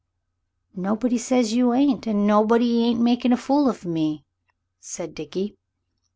"Nobody says you ain't, and nobody ain't makin' a fool of me," said Dickie.